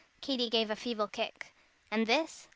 Katy gave a feeble kick. "And this?"